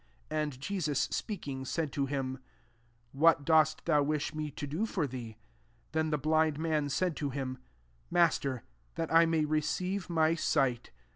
51 And Jesus speaking, said to him, " What dost thou wisl^ me to do for thee ?" Then the blind man said to him, '< Mas ter, that I may receive mi sight."